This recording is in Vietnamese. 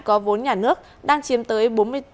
có vốn nhà nước đang chiếm tới